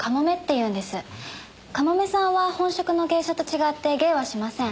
かもめさんは本職の芸者と違って芸はしません。